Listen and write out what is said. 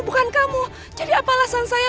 bukan kamu jadi apa alasan saya